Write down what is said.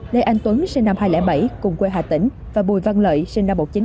lê anh tuấn và bùi văn lợi